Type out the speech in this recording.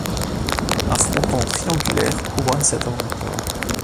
Un fronton triangulaire couronne cet avant-corps.